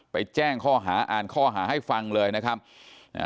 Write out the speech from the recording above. แจ้งข้อหาอ่านข้อหาให้ฟังเลยนะครับอ่า